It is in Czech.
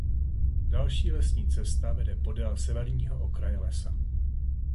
Další lesní cesta vede podél severního okraje lesa.